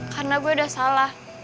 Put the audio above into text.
karena gue udah salah